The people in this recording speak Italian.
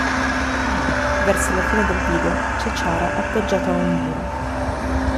Verso la fine del video c'è Ciara appoggiata ad un muro.